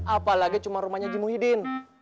apalagi cuma rumahnya haji muhyiddin